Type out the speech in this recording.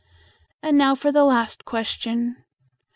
And now for the last question.